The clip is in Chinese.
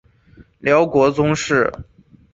辽国宗室。